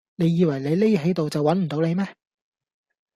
你以為你匿喺度就搵唔到你咩